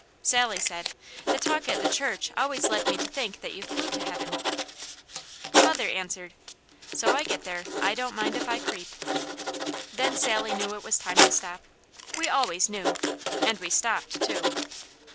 Sally said: "The talk at the church always led me to think that you flew to Heaven." Mother answered: "So I get there, I don't mind if I creep." Then Sally knew it was time to stop. We always knew. And we stopped, too!